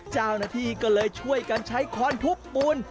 เจ้าหน้าที่ก็เลยช่วยกันใช้ค้อนทุบปูน